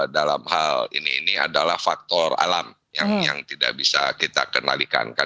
dalam hal ini ini adalah faktor alam yang tidak bisa kita kenalikan